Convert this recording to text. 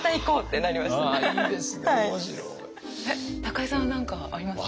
高井さんは何かありますか？